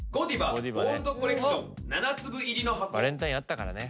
バレンタインあったからね。